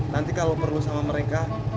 nanti kalau perlu sama mereka